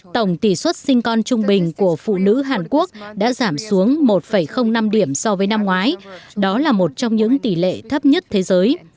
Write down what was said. tổng tỷ suất sinh con trung bình của phụ nữ hàn quốc đã giảm xuống một năm điểm so với năm ngoái đó là một trong những tỷ lệ thấp nhất thế giới